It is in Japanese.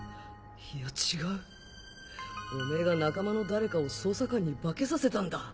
いや違うおめぇが仲間の誰かを捜査官に化けさせたんだ！